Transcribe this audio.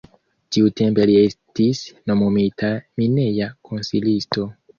Tiutempe li estis nomumita mineja konsilisto.